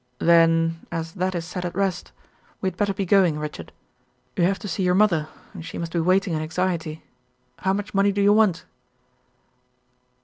"Then as that is set at rest we had better be going, Richard. You have to see your mother, and she must be waiting in anxiety. How much money do you want?"